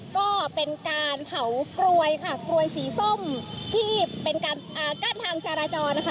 ก็เป็นการเผากลวยค่ะกลวยสีส้มที่เป็นการกั้นทางจราจรนะคะ